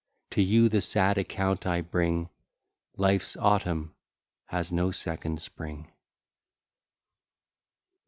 To you the sad account I bring, Life's autumn has no second spring.